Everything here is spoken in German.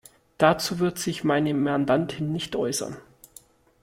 Dazu wird sich meine Mandantin nicht äußern.